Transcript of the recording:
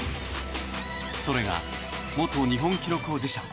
それが、元日本記録保持者